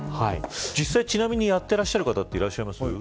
実際ちなみにやってらっしゃる方いらっしゃいます。